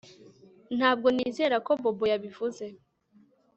Ntabwo nizera ko Bobo yabivuze